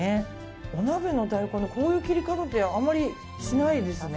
お鍋の大根ってこういう切り方ってあまりしないですね。